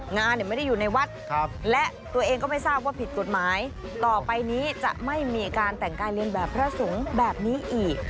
งานไม่ได้อยู่ในวัดและตัวเองก็ไม่ทราบว่าผิดกฎหมายต่อไปนี้จะไม่มีการแต่งกายเรียนแบบพระสงฆ์แบบนี้อีก